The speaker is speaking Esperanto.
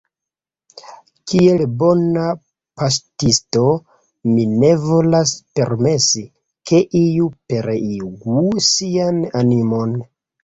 Kiel bona paŝtisto, mi ne volas permesi, ke iu pereigu sian animon.